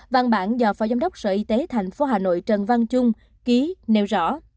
văn bản do phó giám đốc sở y tế tp hà nội trần văn trung ký nêu rõ